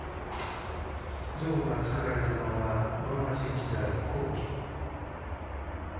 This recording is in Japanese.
像がつくられたのは室町時代後期。